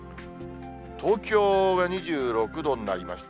東京が２６度になりました。